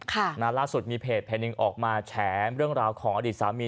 ลักษณ์สุดมีเพจ๑ออกมาแชมเรื่องราวของอดีตสามี